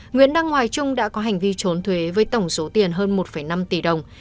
nguyễn đăng hoài trung đã có hành vi trốn thuế với tổng số tiền hơn một năm tỷ đồng